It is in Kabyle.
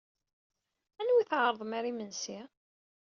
Anwa ay d-tɛerḍem ɣer yimensi?